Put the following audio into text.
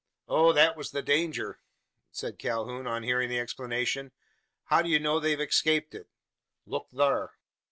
"Oh! that was the danger," said Calhoun, on hearing the explanation. "How do you know they have escaped it?" "Look thur!"